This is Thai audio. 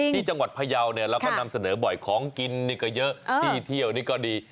ที่จังหวัดพยาวเนี่ยเราก็นำเสนอบ่อยของกินนี่ก็เยอะที่เที่ยวนี่ก็ดี